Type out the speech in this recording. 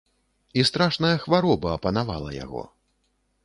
І страшная хвароба апанавала яго.